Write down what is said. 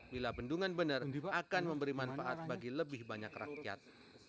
dan ini benar benar akan memberi manfaat bagi lebih banyak rakyat